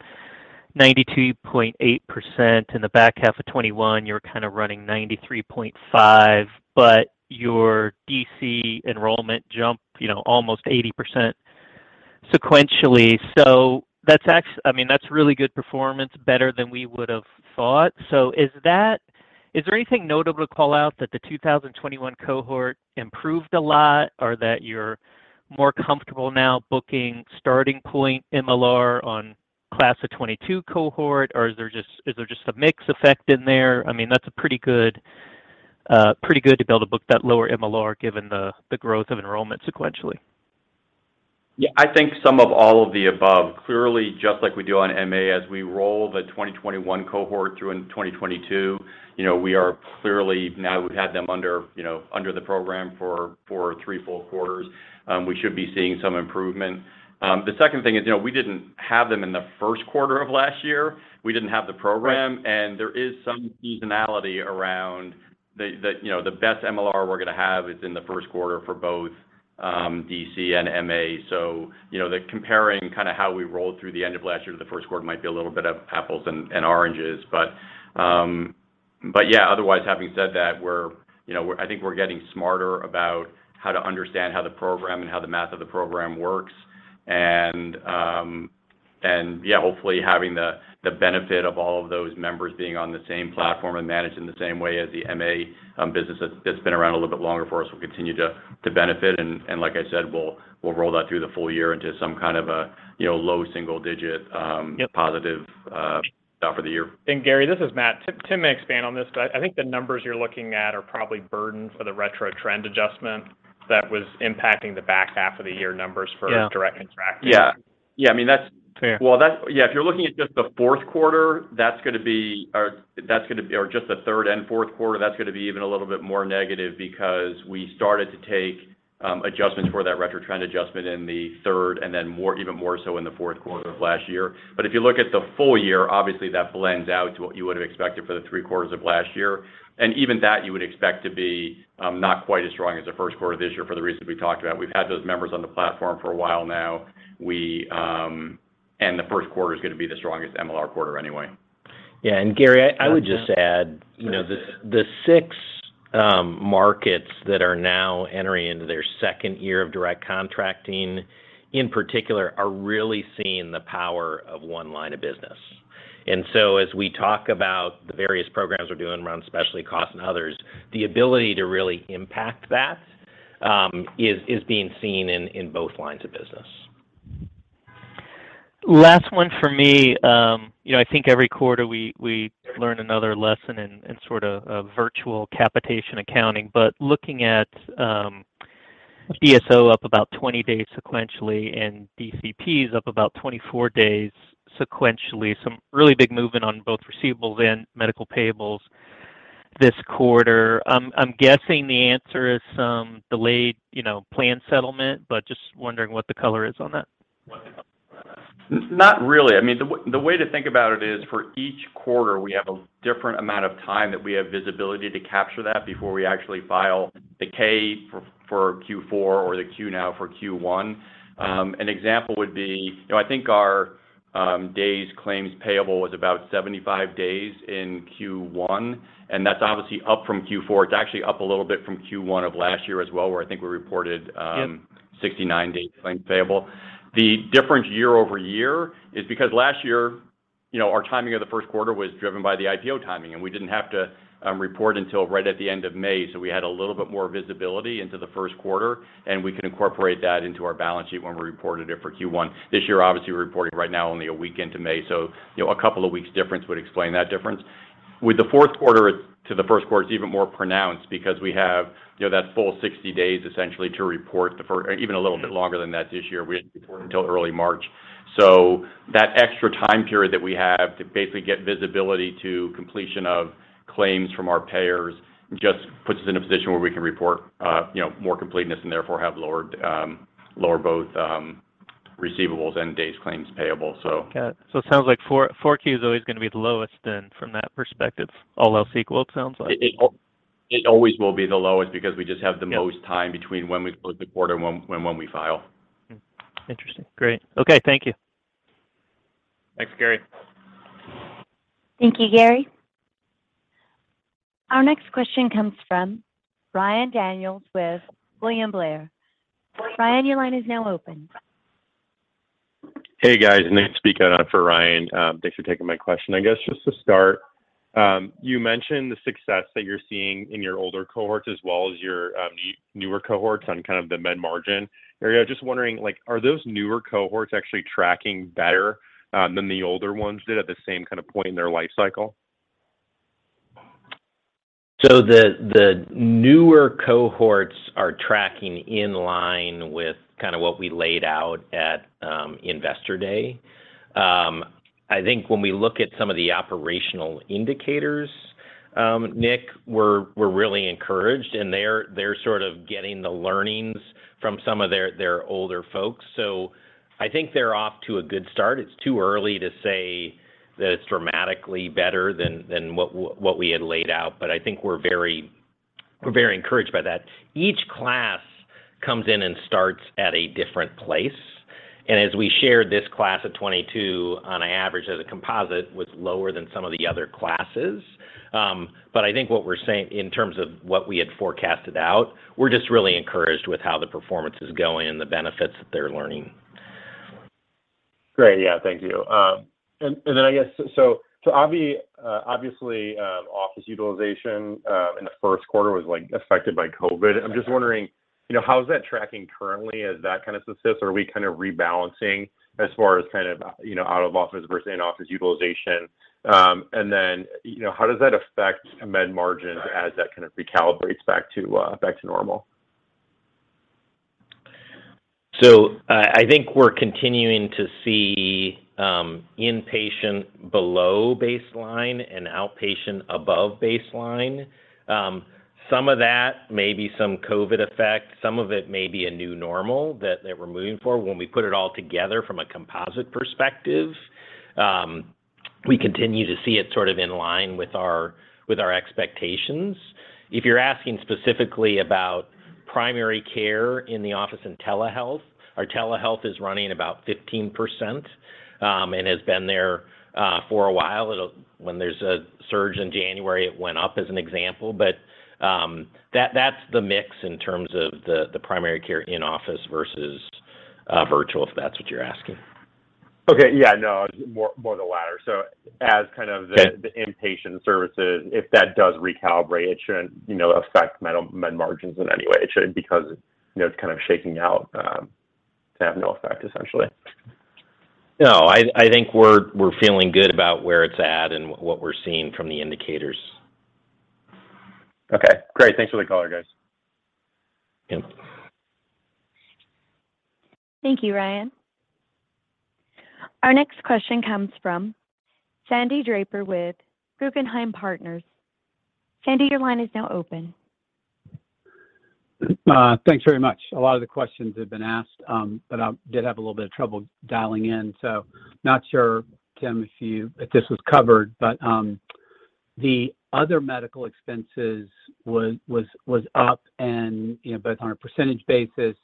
92.8%. In the back half of 2021, you were kind of running 93.5. Your DC enrollment jumped, you know, almost 80% sequentially. That's I mean, that's really good performance, better than we would have thought. Is that? Is there anything notable to call out that the 2021 cohort improved a lot, or that you're more comfortable now booking starting point MLR on class of 2022 cohort? Or is there just a mix effect in there? I mean, that's a pretty good to be able to book that lower MLR given the growth of enrollment sequentially. Yeah. I think some of all of the above. Clearly, just like we do on MA, as we roll the 2021 cohort through in 2022, you know, we are clearly now we've had them under, you know, under the program for three full quarters. We should be seeing some improvement. The second thing is, you know, we didn't have them in the first quarter of last year. We didn't have the program. Right. There is some seasonality around the, you know, the best MLR we're gonna have is in the first quarter for both DC and MA. You know, comparing kind of how we rolled through the end of last year to the first quarter might be a little bit of apples and oranges. But yeah, otherwise, having said that, we're, you know, I think we're getting smarter about how to understand how the program and how the math of the program works. And yeah, hopefully, having the benefit of all of those members being on the same platform and managed in the same way as the MA business that's been around a little bit longer for us will continue to benefit. Like I said, we'll roll that through the full year into some kind of a, you know, low single digit. Yep positive for the year. Gary, this is Matthew. Tim may expand on this, but I think the numbers you're looking at are probably burden for the Retrospective Trend Adjustment. That was impacting the back half of the year numbers for. Yeah Direct Contracting. Yeah. Yeah, I mean, that's. Yeah Yeah, if you're looking at just the third and fourth quarter, that's gonna be even a little bit more negative because we started to take adjustments for that Retrospective Trend Adjustment in the third, and then even more so in the fourth quarter of last year. If you look at the full year, obviously that blends out to what you would have expected for the three quarters of last year. Even that, you would expect to be not quite as strong as the first quarter this year for the reasons we talked about. We've had those members on the platform for a while now. The first quarter is gonna be the strongest MLR quarter anyway. Yeah. Gary, I would just add, you know, the six markets that are now entering into their second year of Direct Contracting, in particular, are really seeing the power of one line of business. As we talk about the various programs we're doing around specialty costs and others, the ability to really impact that is being seen in both lines of business. Last one for me. You know, I think every quarter we learn another lesson in sort of virtual capitation accounting. Looking at DSO up about 20 days sequentially, and DCP is up about 24 days sequentially, some really big movement on both receivables and medical payables this quarter. I'm guessing the answer is some delayed, you know, plan settlement, but just wondering what the color is on that. Not really. I mean, the way to think about it is for each quarter, we have a different amount of time that we have visibility to capture that before we actually file the 10-K for Q4 or the 10-Q now for Q1. An example would be, you know, I think our days claims payable was about 75 days in Q1, and that's obviously up from Q4. It's actually up a little bit from Q1 of last year as well, where I think we reported. Yeah 69 days claims payable. The difference year-over-year is because last year, you know, our timing of the first quarter was driven by the IPO timing, and we didn't have to report until right at the end of May. So we had a little bit more visibility into the first quarter, and we could incorporate that into our balance sheet when we reported it for Q1. This year, obviously, we're reporting right now only a week into May, so, you know, a couple of weeks difference would explain that difference. With the fourth quarter to the first quarter, it's even more pronounced because we have, you know, that full 60 days essentially to report. Or even a little bit longer than that this year. We didn't report until early March. That extra time period that we have to basically get visibility to completion of claims from our payers just puts us in a position where we can report, you know, more completeness and therefore have lower both receivables and days claims payable. Got it. It sounds like 4, 4Q is always gonna be the lowest then from that perspective, all else equal, it sounds like. It always will be the lowest because we just have the most- Yeah time between when we close the quarter and when we file. Interesting. Great. Okay, thank you. Thanks, Gary. Thank you, Gary. Our next question comes from Ryan Daniels with William Blair. Ryan, your line is now open. Hey, guys. Nick speaking on it for Ryan. Thanks for taking my question. I guess just to start, you mentioned the success that you're seeing in your older cohorts as well as your newer cohorts on kind of the medical margin area. Just wondering, like, are those newer cohorts actually tracking better than the older ones did at the same kind of point in their life cycle? The newer cohorts are tracking in line with kind of what we laid out at Investor Day. I think when we look at some of the operational indicators, Nick, we're really encouraged, and they're sort of getting the learnings from some of their older folks. I think they're off to a good start. It's too early to say that it's dramatically better than what we had laid out. But I think we're very encouraged by that. Each class comes in and starts at a different place. As we shared this class of 22 on an average as a composite was lower than some of the other classes. I think what we're saying in terms of what we had forecasted out. We're just really encouraged with how the performance is going and the benefits that they're learning. Great. Yeah. Thank you. I guess, so obviously, office utilization in the first quarter was, like, affected by COVID. I'm just wondering, you know, how is that tracking currently? Is that kind of success? Are we kind of rebalancing as far as kind of, you know, out-of-office versus in-office utilization? You know, how does that affect med margin as that kind of recalibrates back to normal? I think we're continuing to see inpatient below baseline and outpatient above baseline. Some of that may be some COVID effect, some of it may be a new normal that we're moving for. When we put it all together from a composite perspective, we continue to see it sort of in line with our expectations. If you're asking specifically about primary care in the office and telehealth, our telehealth is running about 15%, and has been there for a while. When there's a surge in January, it went up as an example. That's the mix in terms of the primary care in office versus virtual, if that's what you're asking. Okay. Yeah. No. More the latter. As kind of the Okay the inpatient services, if that does recalibrate, it shouldn't, you know, affect med margins in any way. It shouldn't because, you know, it's kind of shaking out to have no effect, essentially. No, I think we're feeling good about where it's at and what we're seeing from the indicators. Okay, great. Thanks for the color, guys. Yeah. Thank you, Ryan. Our next question comes from Sandy Draper with Guggenheim Partners. Sandy, your line is now open. Thanks very much. A lot of the questions have been asked, but I did have a little bit of trouble dialing in. Not sure, Tim, if this was covered, but the other medical expenses was up and, you know, both on a percentage basis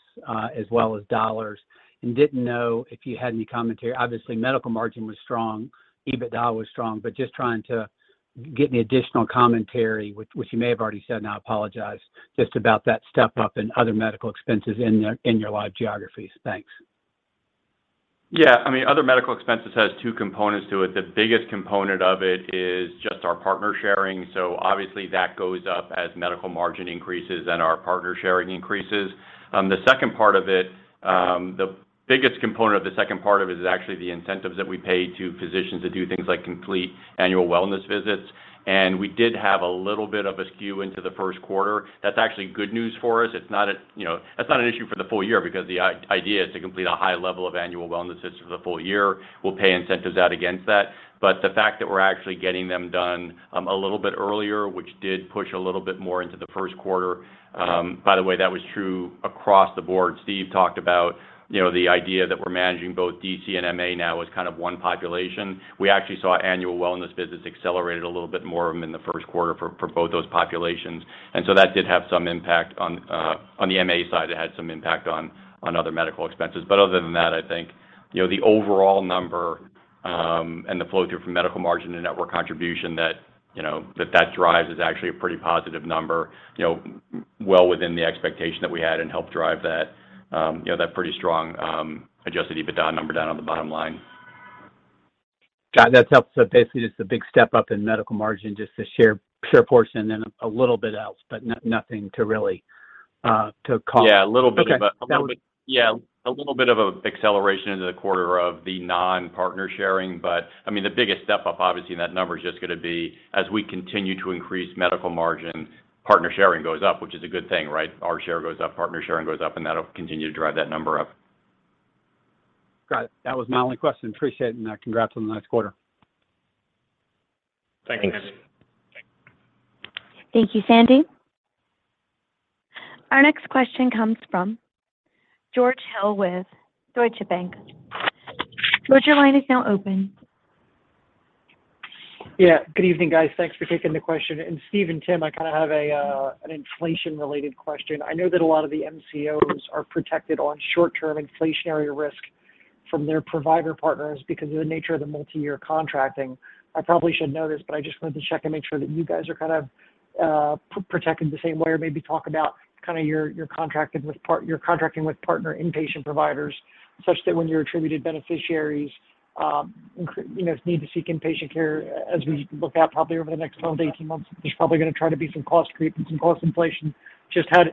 as well as dollars, and didn't know if you had any commentary. Obviously, Medical Margin was strong, EBITDA was strong, but just trying to get any additional commentary, which you may have already said, and I apologize, just about that step up in other medical expenses in your live geographies. Thanks. Yeah. I mean, other medical expenses has two components to it. The biggest component of it is just our partner sharing. Obviously that goes up as medical margin increases and our partner sharing increases. The second part of it, the biggest component of the second part of it is actually the incentives that we pay to physicians to do things like complete annual wellness visits. We did have a little bit of a skew into the first quarter. That's actually good news for us. It's not a, you know, that's not an issue for the full year because the idea is to complete a high level of annual wellness visits for the full year. We'll pay incentives out against that. The fact that we're actually getting them done, a little bit earlier, which did push a little bit more into the first quarter. By the way, that was true across the board. Steve talked about, you know, the idea that we're managing both DC and MA now as kind of one population. We actually saw annual wellness visits accelerated a little bit more in the first quarter for both those populations. That did have some impact on the MA side. It had some impact on other medical expenses. Other than that, I think, you know, the overall number and the flow through from medical margin to network contribution that that drives is actually a pretty positive number, you know, well within the expectation that we had and helped drive that, you know, that pretty strong Adjusted EBITDA number down on the bottom line. Got it. That helps. Basically, just a big step up in Medical Margin, just the share portion and a little bit else, but nothing to really call. Yeah. Okay. Yeah. A little bit of an acceleration into the quarter of the non-partner sharing. I mean, the biggest step up, obviously, in that number is just gonna be as we continue to increase Medical Margin, partner sharing goes up, which is a good thing, right? Our share goes up, partner sharing goes up, and that'll continue to drive that number up. Got it. That was my only question. Appreciate it, and, congrats on the last quarter. Thank you. Thanks. Thank you, Sandy. Our next question comes from George Hill with Deutsche Bank. George, your line is now open. Yeah. Good evening, guys. Thanks for taking the question. Steve and Tim, I kind of have an inflation-related question. I know that a lot of the MCOs are protected on short-term inflationary risk from their provider partners because of the nature of the multi-year contracting. I probably should know this, but I just wanted to check and make sure that you guys are kind of protected the same way, or maybe talk about kind of your contracting with partner inpatient providers, such that when your attributed beneficiaries you know need to seek inpatient care as we look out probably over the next 12-18 months, there's probably gonna try to be some cost creep and some cost inflation. Just how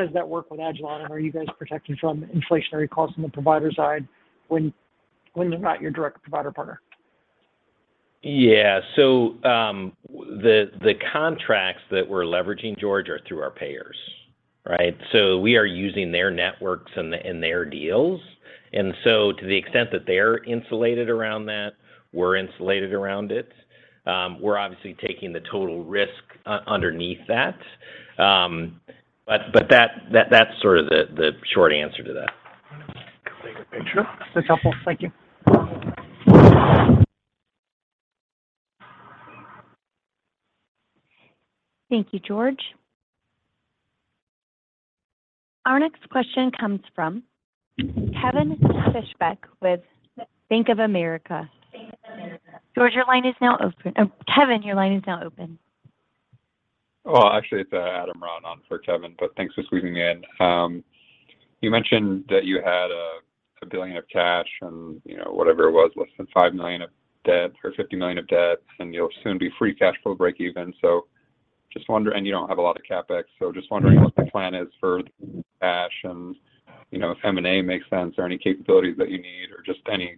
does that work with agilon health? Are you guys protected from inflationary costs on the provider side when they're not your direct provider partner? Yeah. The contracts that we're leveraging, George, are through our payers, right? We are using their networks and their deals. To the extent that they're insulated around that, we're insulated around it. We're obviously taking the total risk underneath that. But that's sort of the short answer to that. Sure. That's helpful. Thank you. Thank you, George. Our next question comes from Kevin Fischbeck with Bank of America. George, your line is now open. Kevin, your line is now open. Well, actually, it's Adam Ron on for Kevin, but thanks for squeezing me in. You mentioned that you had $1 billion of cash and, you know, whatever it was, less than $5 million of debt or $50 million of debt, and you'll soon be free cash flow breakeven. You don't have a lot of CapEx, so just wondering what the plan is for the cash and, you know, if M&A makes sense or any capabilities that you need or just any,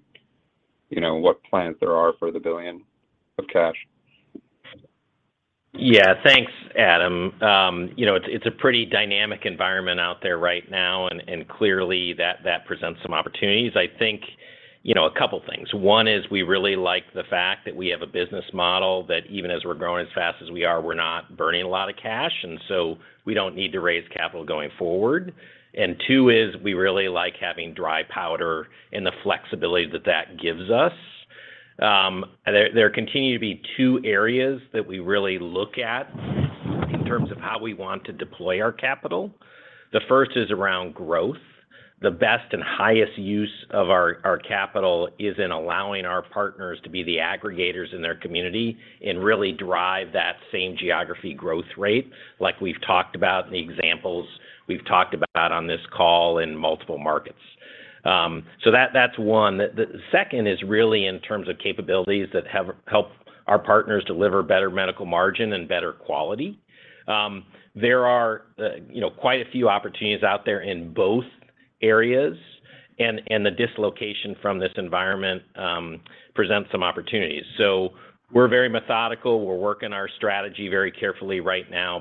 you know, what plans there are for the $1 billion of cash. Yeah. Thanks, Adam. You know, it's a pretty dynamic environment out there right now, and clearly that presents some opportunities. I think, you know, a couple of things. One is we really like the fact that we have a business model that even as we're growing as fast as we are, we're not burning a lot of cash, and so we don't need to raise capital going forward. Two is we really like having dry powder and the flexibility that that gives us. There continue to be two areas that we really look at in terms of how we want to deploy our capital. The first is around growth. The best and highest use of our capital is in allowing our partners to be the aggregators in their community and really drive that same geography growth rate like we've talked about and the examples we've talked about on this call in multiple markets. That's one. The second is really in terms of capabilities that have helped our partners deliver better Medical Margin and better quality. You know, there are quite a few opportunities out there in both areas and the dislocation from this environment presents some opportunities. We're very methodical. We're working our strategy very carefully right now.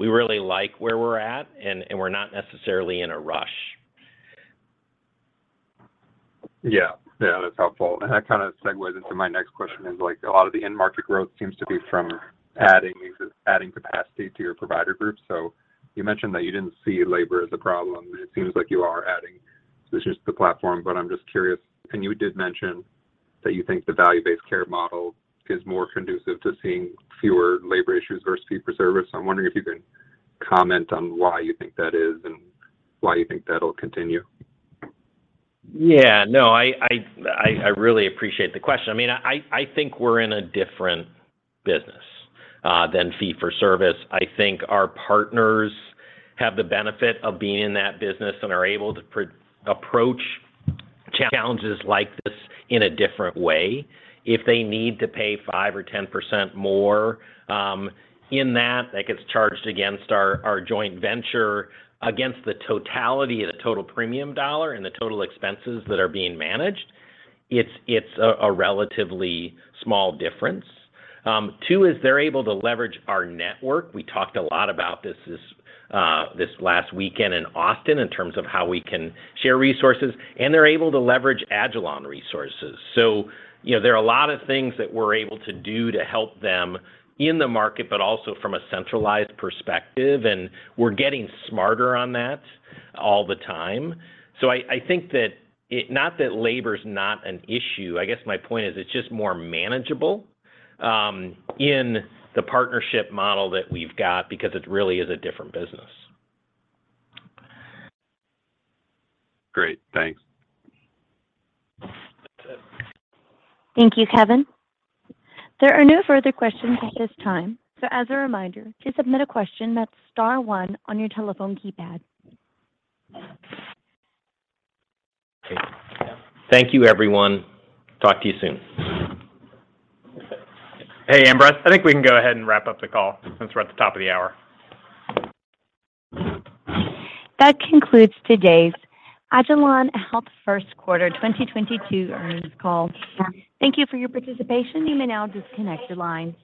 We really like where we're at and we're not necessarily in a rush. Yeah. Yeah, that's helpful. That kind of segues into my next question is, like, a lot of the in-market growth seems to be from adding capacity to your provider groups. You mentioned that you didn't see labor as a problem, and it seems like you are adding. It's just the platform. But I'm just curious. You did mention that you think the value-based care model is more conducive to seeing fewer labor issues versus fee-for-service. I'm wondering if you can comment on why you think that is and why you think that'll continue. Yeah, no, I really appreciate the question. I mean, I think we're in a different business than fee-for-service. I think our partners have the benefit of being in that business and are able to approach challenges like this in a different way. If they need to pay 5% or 10% more, in that gets charged against our joint venture against the totality of the total premium dollar and the total expenses that are being managed. It's a relatively small difference. Two is they're able to leverage our network. We talked a lot about this last weekend in Austin in terms of how we can share resources, and they're able to leverage agilon resources. You know, there are a lot of things that we're able to do to help them in the market, but also from a centralized perspective, and we're getting smarter on that all the time. I think that it—not that labor's not an issue, I guess my point is it's just more manageable in the partnership model that we've got because it really is a different business. Great. Thanks. That's it. Thank you, Kevin. There are no further questions at this time. As a reminder, to submit a question, that's star one on your telephone keypad. Thank you, everyone. Talk to you soon. Hey, Amber, I think we can go ahead and wrap up the call since we're at the top of the hour. That concludes today's agilon health First Quarter 2022 earnings call. Thank you for your participation. You may now disconnect your lines.